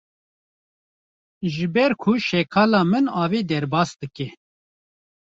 Ji ber ku şekala min avê derbas dike.